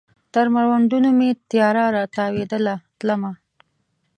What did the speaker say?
تر مړوندونو مې تیاره را تاویدله تلمه